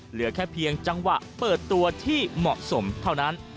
เหลือแค่เพียงจังหวะเปิดตัวที่เหมาะสมเท่านั้น